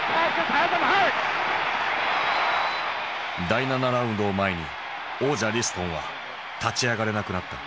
第７ラウンドを前に王者リストンは立ち上がれなくなった。